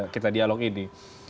kita dialog ini